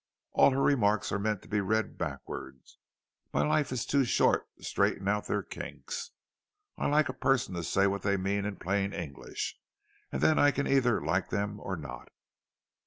"All her remarks are meant to be read backward, and my life is too short to straighten out their kinks. I like a person to say what they mean in plain English, and then I can either like them or not."